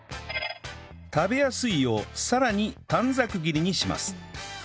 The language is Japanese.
食べやすいようさらに短冊切りにします